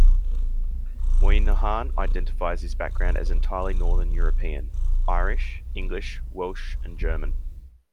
Moynihan identifies his background as entirely Northern European: Irish, English, Welsh, and German.